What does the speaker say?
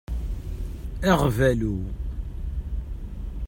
Aɣbalu.